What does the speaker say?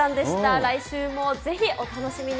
来週もぜひお楽しみに。